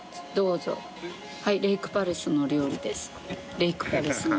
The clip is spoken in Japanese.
「レイクパレス」の。